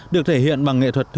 được thể hiện bằng nghệ thuật